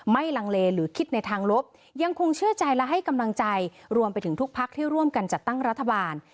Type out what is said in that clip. ลังเลหรือคิดในทางลบยังคงเชื่อใจและให้กำลังใจรวมไปถึงทุกพักที่ร่วมกันจัดตั้งรัฐบาล